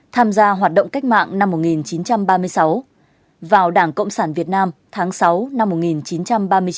tham gia hoạt động cách mạng năm một nghìn chín trăm ba mươi sáu vào đảng cộng sản việt nam tháng sáu năm một nghìn chín trăm ba mươi chín